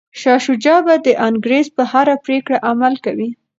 شاه شجاع به د انګریز په هره پریکړه عمل کوي.